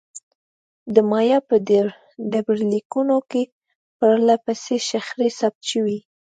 د مایا په ډبرلیکونو کې پرله پسې شخړې ثبت شوې.